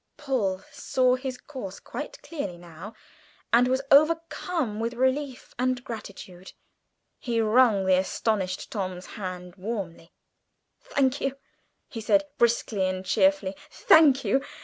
Paul saw his course quite clearly now, and was overcome with relief and gratitude. He wrung the astonished Tom's hand warmly; "Thank you," he said, briskly and cheerfully, "thank you.